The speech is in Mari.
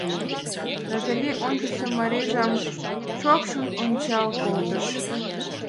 Натали ончычсо марийжым шокшын ончал колтыш.